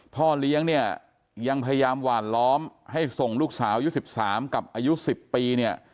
พ่อเลี้ยงเนี่ยยังพยายามหวานล้อมให้ส่งลูกสาวอายุ๑๓กับอายุ๑๐ปีเนี่ย